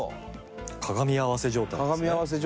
鏡合わせ状態ですね。